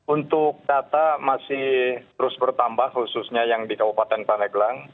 untuk data masih terus bertambah khususnya yang di kabupaten pandeglang